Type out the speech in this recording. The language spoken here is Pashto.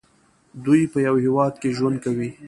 دوی په یو هیواد کې ژوند کوي.